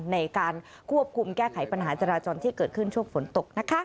ในการควบคุมแก้ไขปัญหาจราจรที่เกิดขึ้นช่วงฝนตกนะคะ